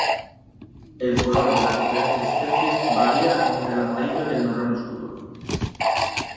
El color de las diferentes especies varía entre el amarillo y el marrón oscuro.